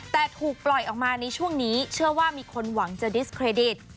แต่ถูกปล่อยออกมาในช่วงนี้เชื่อว่ามีคนหวังจะดิสเครดิต